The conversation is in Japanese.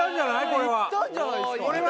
これは！